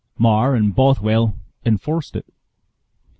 Mar and Bothwell enforced it.